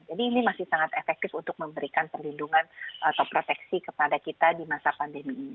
jadi ini masih sangat efektif untuk memberikan perlindungan atau proteksi kepada kita di masa pandemi ini